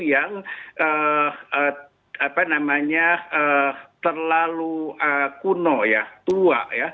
yang terlalu kuno tua